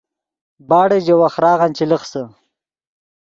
باڑے ژے وَخۡراغن چے لخسے